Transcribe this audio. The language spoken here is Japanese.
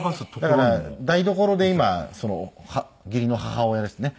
だから台所で今義理の母親ですね